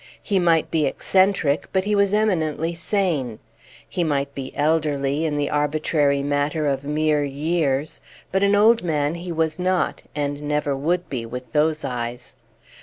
He might be eccentric, but he was eminently sane; he might be elderly, in the arbitrary matter of mere years; but an old man he was not, and never would be with those eyes.